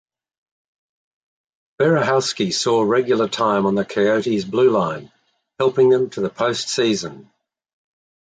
Berehowsky saw regular time on the Coyotes blueline, helping them to the post-season.